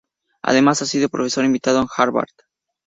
Además, ha sido profesor invitado en Harvard.